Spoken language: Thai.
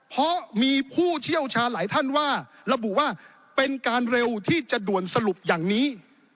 เพราะมีผู้เชี่ยวชาญหลายท่านว่าระบุว่าเป็นการเร็วที่จะด่วนสรุปอย่างนี้